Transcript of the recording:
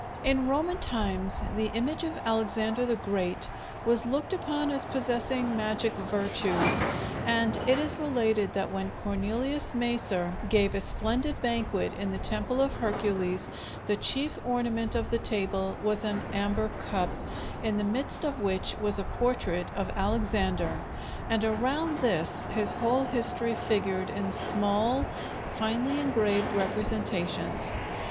In Roman times the image of Alexander the Great was looked upon as possessing magic virtues, and it is related that when Cornelius Macer gave a splendid banquet in the temple of Hercules, the chief ornament of the table was an amber cup, in the midst of which was a portrait of Alexander, and around this his whole history figured in small, finely engraved representations.